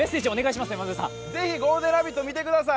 是非、「ゴールデンラヴィット！」見てください！